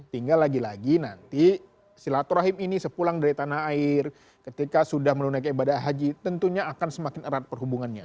tinggal lagi lagi nanti silaturahim ini sepulang dari tanah air ketika sudah menunaikan ibadah haji tentunya akan semakin erat perhubungannya